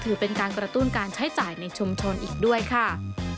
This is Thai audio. ถือเป็นการกระตุ้นการใช้จ่ายในชุมชนอีกด้วยค่ะ